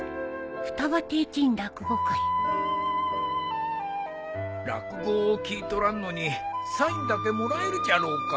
「二葉亭ちん落語会」落語を聞いとらんのにサインだけもらえるじゃろうか？